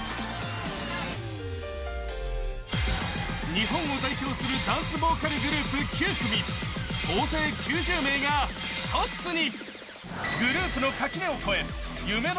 日本を代表するダンスボーカルグループ９組、総勢９０名が一つに。